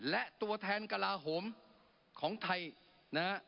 และตัวแทนกลาโหมของไทยนะฮะ